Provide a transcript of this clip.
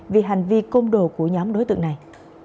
vì hành vi côn đồ của nhóm đối tượng này